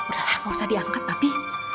udah lah gak usah diangkat papi